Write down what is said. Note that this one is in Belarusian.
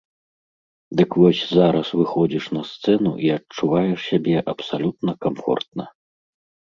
Дык вось зараз выходзіш на сцэну і адчуваеш сябе абсалютна камфортна.